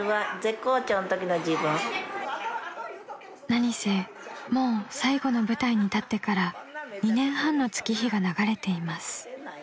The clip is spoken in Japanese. ［何せもう最後の舞台に立ってから２年半の月日が流れています］